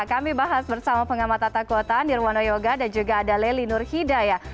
kami bahas bersama pengamat tata kuotaan di ruwano yoga dan juga ada lely nurhidayah